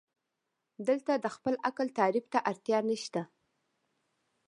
دلته د خپل تعقل تعریف ته اړتیا نشته.